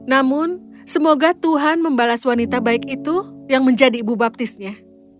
namun semoga tuhan membalas wanita baik itu yang menjadi ibu baptisnya